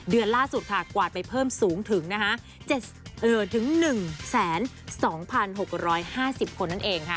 เดือนล่าสุดค่ะกวาดไปเพิ่มสูงถึง๑๒๖๕๐คนนั่นเองค่ะ